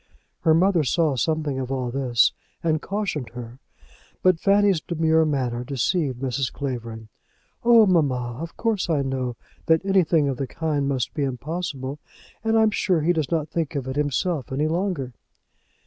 Her mother saw something of all this, and cautioned her; but Fanny's demure manner deceived Mrs. Clavering. "Oh, mamma, of course I know that anything of the kind must be impossible; and I am sure he does not think of it himself any longer."